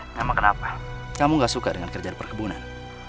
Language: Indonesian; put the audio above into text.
nama kenapa kamu gak suka dengan kerja di perkebunan